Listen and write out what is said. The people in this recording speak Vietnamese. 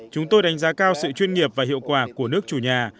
chúng tôi đánh giá cao sự chuyên nghiệp và hiệu quả của nước chủ nhà